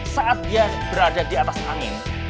saat dia berada di atas angin